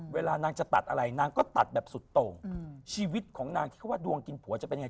เวลานางจะตัดอะไรนางก็ตัดแบบสุดโต่งชีวิตของนางที่เขาว่าดวงกินผัวจะเป็นยังไง